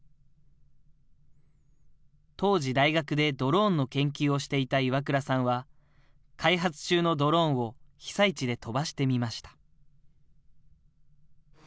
当時、大学でドローンの研究をしていた岩倉さんは、開発中のドローンを被災地で飛ばしてみました。